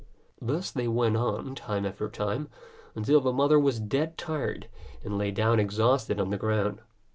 Thus they went on time after time, until the mother was dead tired, and lay down exhausted on the ground.